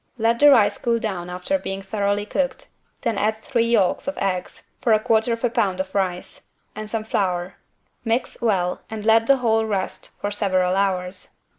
Let the rice cool down after being thoroughly cooked, then add three yolks of eggs (for 1/4 lb. of rice) and some flour. Mix well and let the whole rest for several hours.